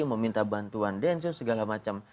meminta bantuan densus segala macam